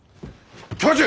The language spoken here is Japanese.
教授！